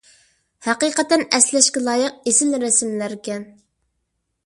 ھەقىقەتەن ئەسلەشكە لايىق ئېسىل رەسىملەركەن.